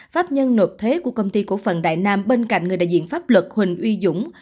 pháp nhân nộp thuế của công ty cổ phần đại nam bên cạnh người đại diện pháp luật huỳnh uy dũng